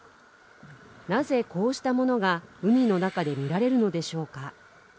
なぜこうしたものが海の中で見られるのでしょうか